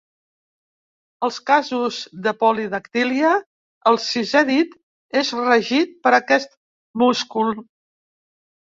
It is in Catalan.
En casos de polidactília, el sisè dit és regit per aquest múscul.